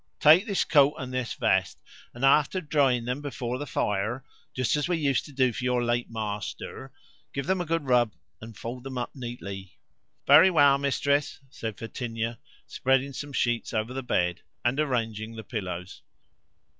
"Take this coat and this vest, and, after drying them before the fire just as we used to do for your late master give them a good rub, and fold them up neatly." "Very well, mistress," said Fetinia, spreading some sheets over the bed, and arranging the pillows.